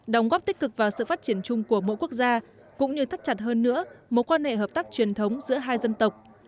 đóng góp tích cực vào sự phát triển chung của mỗi quốc gia cũng như thắt chặt hơn nữa mối quan hệ hợp tác truyền thống giữa hai dân tộc